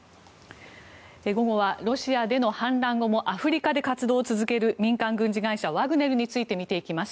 午後はロシアでの反乱後もアフリカで活動を続ける民間軍事会社ワグネルについて見ていきます。